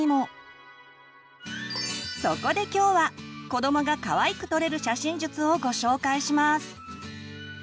そこで今日は子どもがかわいく撮れる写真術をご紹介します！